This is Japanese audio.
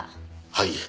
はい。